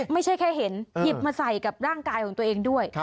ไม่ใช่แค่เห็นหยิบมาใส่กับร่างกายของตัวเองด้วย